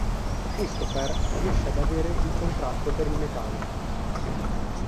Cristopher riesce ad avere il contratto per il metano.